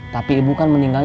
tapi ibu kan meninggal